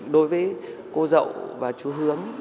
đối với cô dậu và chú hướng